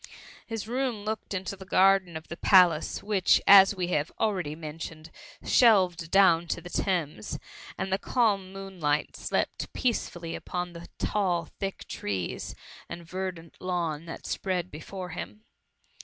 His room looked into the garden of the palace, which, as we have already men 862 THE MUMMY. tioned, shelved down to the Thames, and th« calm moonlight slept peacefully upon the tall, thick trees, and verdant lawn that spread be fore him.